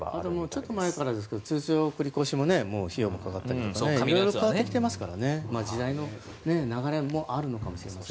ちょっと前から通帳の振り込みも費用もかかってますから色々変わってきてますから時代の流れもあるのかもしれないですね。